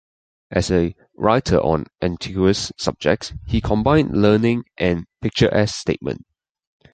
As a writer on antiquarian subjects he combined learning and picturesque statement.